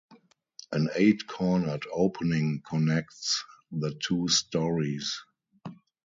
An eight-cornered opening connects the two storeys.